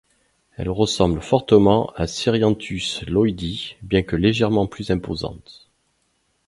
Elle ressemble fortement à Cerianthus lloydii, bien que légèrement plus imposante.